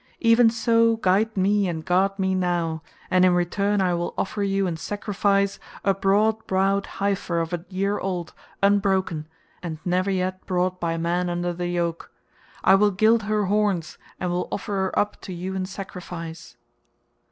Even so guide me and guard me now, and in return I will offer you in sacrifice a broad browed heifer of a year old, unbroken, and never yet brought by man under the yoke. I will gild her horns and will offer her up to you in sacrifice."